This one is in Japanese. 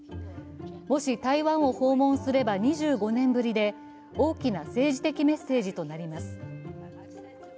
もし台湾を訪問すれば２５年ぶりで大きな政治的なメッセージとなります。